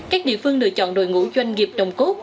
các địa phương lựa chọn đội ngũ doanh nghiệp đồng cốt